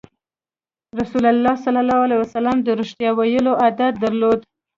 رسول الله ﷺ د رښتیا ویلو عادت درلود.